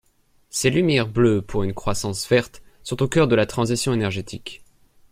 Ces lumières bleues pour une croissance verte sont au cœur de la transition énergétique.